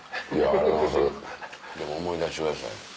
でも思い出してください。